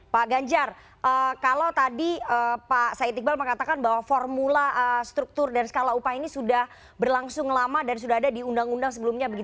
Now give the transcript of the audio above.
pak ganjar kalau tadi pak said iqbal mengatakan bahwa formula struktur dan skala upah ini sudah berlangsung lama dan sudah ada di undang undang sebelumnya